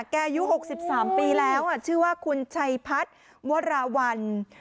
แกอยู่หกสิบสามปีแล้วอ่ะชื่อว่าคุณชัยพัฒน์วราวรรณ